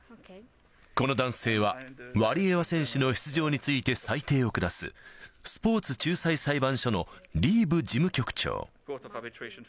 この男性は、ワリエワ選手の出場について、裁定を下す、スポーツ仲裁裁判所のリーブ事務局長。